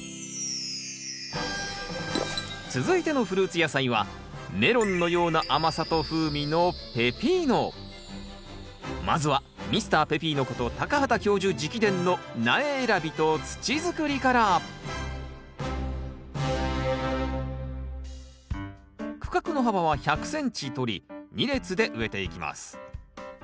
続いてのフルーツ野菜はメロンのような甘さと風味のまずはミスターペピーノこと畑教授直伝の苗選びと土づくりから区画の幅は１００ｃｍとり２列で植えていきます。